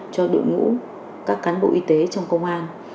cho đội ngũ các cán bộ y tế trong công an